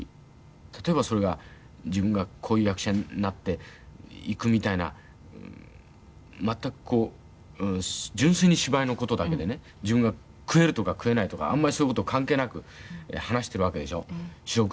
例えばそれが自分がこういう役者になっていくみたいな全くこう純粋に芝居の事だけでね自分が食えるとか食えないとかあんまりそういう事関係なく話しているわけでしょ四六時中。